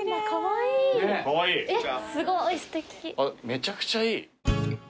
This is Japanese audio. めちゃくちゃいい。